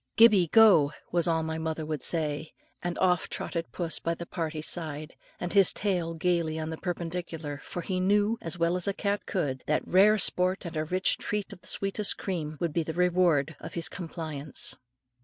"Gibbie, go," was all my mother would say, and off trotted puss by the party's side, with his tail gaily on the perpendicular; for he knew, as well as cat could, that rare sport and a rich treat of the sweetest cream, would be the reward of his compliance.